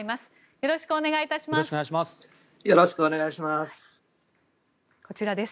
よろしくお願いします。